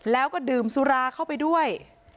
แล้วก็ดื่มสุราเข้าไปด้วย